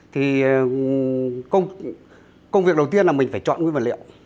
thì công việc đầu tiên là mình phải chọn nguyên vật liệu